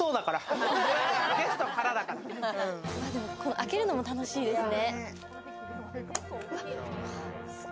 開けるのも楽しいですね。